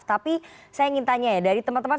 tapi saya ingin tanya ya dari teman teman